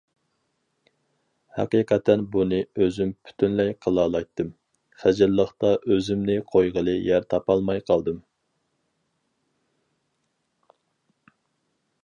ھەقىقەتەن بۇنى ئۆزۈم پۈتۈنلەي قىلالايتتىم، خىجىللىقتا ئۆزۈمنى قويغىلى يەر تاپالماي قالدىم.